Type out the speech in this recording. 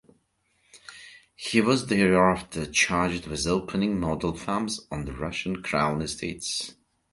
He was thereafter charged with opening model farms on the Russian Crown Estates.